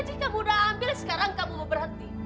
gaji kamu udah ambil sekarang kamu mau berhenti